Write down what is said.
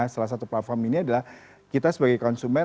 salah satu platform ini adalah kita sebagai konsumen